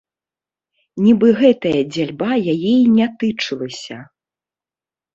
Нібы гэтая дзяльба яе і не тычылася.